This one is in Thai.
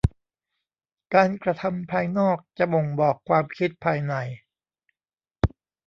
การกระทำภายนอกจะบ่งบอกความคิดภายใน